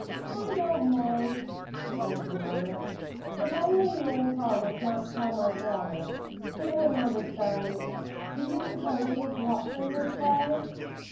"I don't mind," answered Roberta, "if only you all promise not to tell my father. He wouldn't understand. Do you suppose Miss Watson would play?"